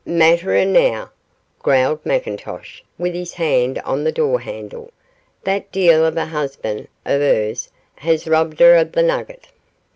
'Matter enow,' growled McIntosh, with his hand on the door handle; 'that deil o' a' husband o' her's has robbed her o' the nugget.